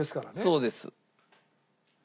そうです。